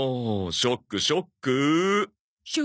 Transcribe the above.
ショックショック！